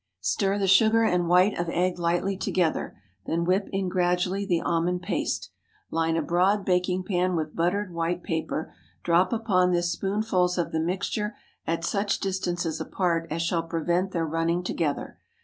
Stir the sugar and white of egg lightly together; then whip in gradually the almond paste. Line a broad baking pan with buttered white paper; drop upon this spoonfuls of the mixture at such distances apart as shall prevent their running together.